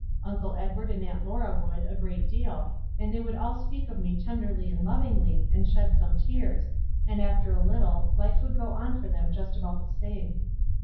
Uncle Edward and Aunt Laura would, a great deal ; and they would all speak of me tenderly and lovingly, and shed some tears ; and after a little, life would go on for them just about the same."